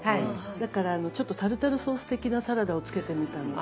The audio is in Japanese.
だからちょっとタルタルソース的なサラダをつけてみたの。